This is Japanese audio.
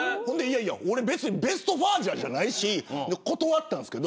別に俺ベストファーザーじゃないし断ったんですけど。